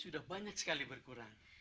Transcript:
sudah banyak sekali berkurang